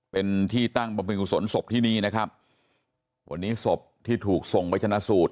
เป็นที่ตั้งประมูลสนศพที่นี้นะครับวันนี้ศพที่ถูกส่งไปชนะสูตร